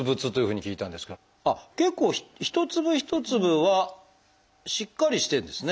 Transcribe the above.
結構一粒一粒はしっかりしてるんですね。